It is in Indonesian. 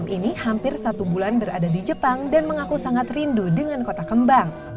seribu sembilan ratus sembilan puluh enam ini hampir satu bulan berada di jepang dan mengaku sangat rindu dengan kota kembang